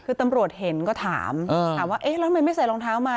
คือตำรวจเห็นก็ถามถามว่าเอ๊ะแล้วทำไมไม่ใส่รองเท้ามา